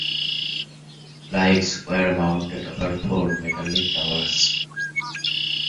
Lights were mounted over four metallic towers.